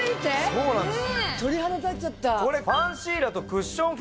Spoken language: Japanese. そうなんです。